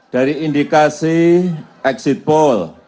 dari indikasi exit poll